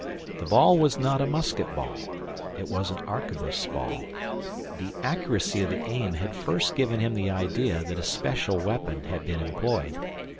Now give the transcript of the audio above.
The ball was not a musket ball—it was an arquebus ball. The accuracy of the aim had first given him the idea that a special weapon had been employed.